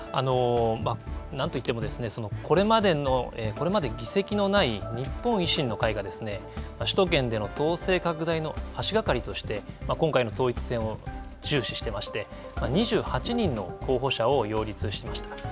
なんといってもこれまで議席のない日本維新の会が首都圏での党勢拡大の足がかりとして今回の統一選を注視していまして２８人の候補者を擁立しました。